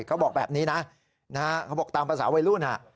เขาบอกแบบนี้นะเขาบอกตามภาษาวัยรุ่น